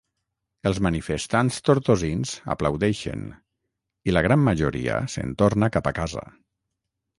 Els manifestants tortosins aplaudeixen, i la gran majoria se'n torna cap a casa.